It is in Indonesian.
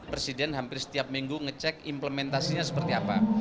presiden hampir setiap minggu ngecek implementasinya seperti apa